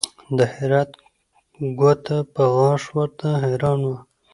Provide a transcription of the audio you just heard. د حیرت ګوته په غاښ ورته حیران وه